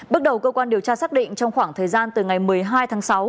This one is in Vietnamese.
bước đầu cơ quan điều tra xác định trong khoảng thời gian từ ngày một mươi hai tháng sáu